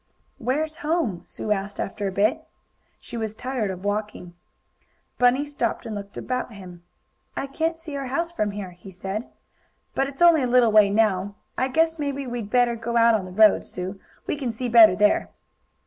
"Where's home?" Sue asked, after a bit. She was tired of walking. Bunny stopped and looked about him. "I can't see our house from here," he said, "but it's only a little way now. I guess maybe we'd better go out on the road, Sue. We can see better there."